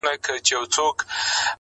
• بېګناه چي د ګناه په تهمت وژني -